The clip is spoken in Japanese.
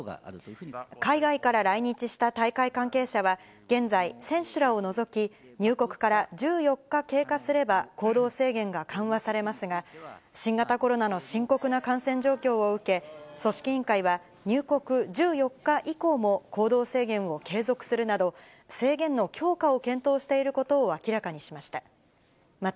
海外から来日した大会関係者は、現在、選手らを除き、入国から１４日経過すれば、行動制限が緩和されますが、新型コロナの深刻な感染状況を受け、組織委員会は、入国１４日以降も行動制限を継続するなど、制限の強化を検討していることを明らかにしました。